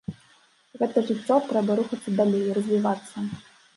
Гэта жыццё, трэба рухацца далей, развівацца.